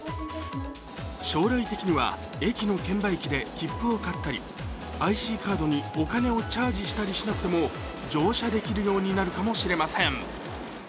将来的には駅の券売機で切符を買ったりＩＣカードにお金をチャージしたりしなくても乗車できるようになるかもしれません。